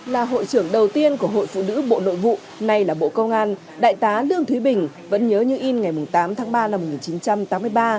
là hội trưởng đầu tiên của hội phụ nữ bộ nội vụ nay là bộ công an đại tá lương thúy bình vẫn nhớ như in ngày tám tháng ba năm một nghìn chín trăm tám mươi ba